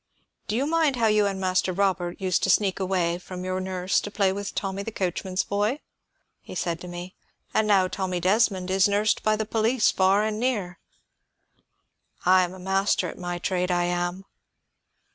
'Do you mind how you and Master Robert used to sneak away from your nurse to play with Tommy, the coachman's boy?' he said to me. 'And now Tommy Desmond is nursed by the police far and near. I am a master at my trade, I am.'